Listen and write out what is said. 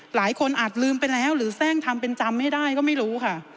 อาจลืมไปแล้วหรือแทร่งทำเป็นจำไม่ได้ก็ไม่รู้ค่ะ